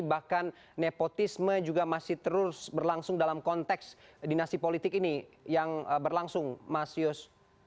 bahkan nepotisme juga masih terus berlangsung dalam konteks dinasti politik ini yang berlangsung mas yus